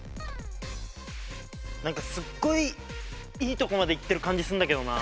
何かすっごいいいとこまで行ってる感じすんだけどな。